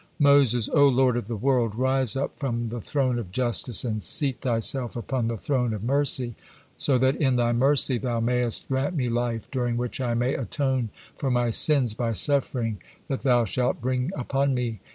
" Moses: "O Lord of the world! Rise up from the Throne of Justice, and seat Thyself upon the Throne of Mercy, so that in Thy mercy, Thou mayest grant me life, during which I may atone for my sins by suffering that Thou shalt bring upon me.